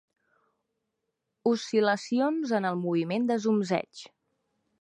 Oscil·lacions en el moviment de zumzeig.